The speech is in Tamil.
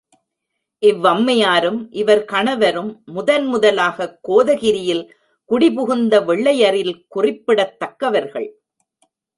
இவ்வம்மையாரும், இவர் கணவரும் முதன் முதலாகக் கோதகிரியில் குடி புகுந்த வெள்ளையரில் குறிப்பிடத் தக்கவர்கள்.